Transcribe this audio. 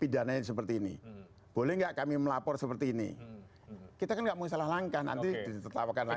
pidananya seperti ini boleh nggak kami melapor seperti ini kita kan nggak mau salah langkah nanti ditetapkan lagi